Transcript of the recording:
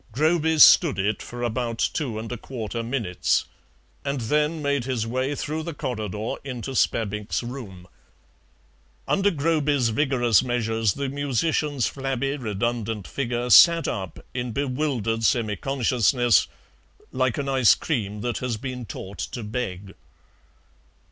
Groby stood it for about two and a quarter minutes, and then made his way through the corridor into Spabbink's room. Under Groby's vigorous measures the musician's flabby, redundant figure sat up in bewildered semi consciousness like an ice cream that has been taught to beg.